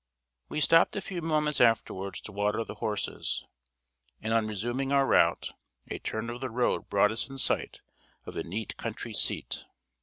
We stopped a few moments afterwards to water the horses, and on resuming our route, a turn of the road brought us in sight of a neat country seat.